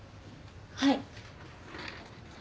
はい。